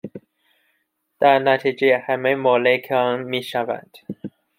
در نتیجه همه مالک آن می شوند